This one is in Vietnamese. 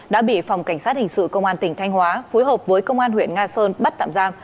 đã bị phòng cảnh sát hình sự công an tỉnh thanh hóa phối hợp với công an huyện nga sơn bắt tạm giam